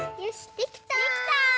できた！